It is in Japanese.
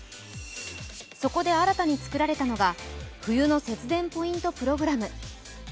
そこで新たに作られたのが冬の節電ポイントプログラム。